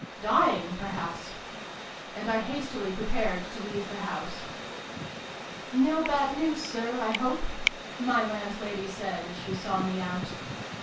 " Dying, perhaps !" And I hastily prepared to leave the house. " No bad news, Sir, I hope ?" my landlady said, as she saw me out.